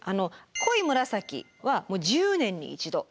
濃い紫は１０年に１度。